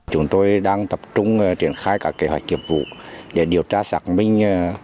chúng tôi đang tập trung triển khai các kế hoạch kiệp vụ để điều tra xác minh